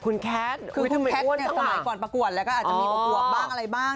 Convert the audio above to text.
คุณแคททำไมอ้วนตั้งหล่ะ